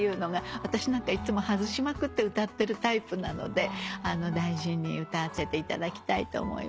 私なんかいつも外しまくって歌ってるタイプなので大事に歌わせていただきたいと思います。